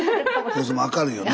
この人も明るいよね。